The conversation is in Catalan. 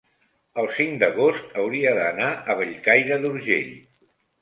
el cinc d'agost hauria d'anar a Bellcaire d'Urgell.